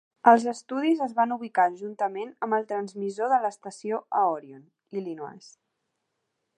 Els estudis es van ubicar juntament amb el transmissor de l'estació a Orion (Illinois).